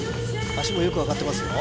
脚もよく上がってますよ